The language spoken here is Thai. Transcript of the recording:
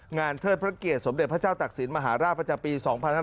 งานเทิดพระเกียรติสมเด็จพระเจ้าตักศิลป์มหาราชวงศ์ปี๒๕๖๕